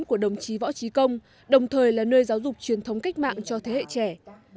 của đồng chí võ trí công đồng thời là nơi giáo dục truyền thống cách mạng cho thế hệ trẻ